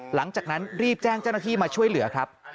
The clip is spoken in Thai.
หลังจากนั้นรีบแจ้งเจ้าหน้าที่มาช่วยเหลือครับ